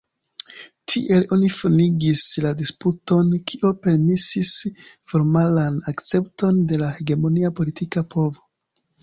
Tiele oni finigis la disputon, kio permesis formalan akcepton de la hegemonia politika povo.